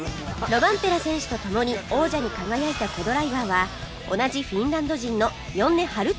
ロバンペラ選手とともに王者に輝いたコ・ドライバーは同じフィンランド人のヨンネ・ハルットゥネン選手